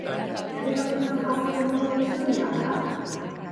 Herri bakoitzean janzteko modua desberdina al da?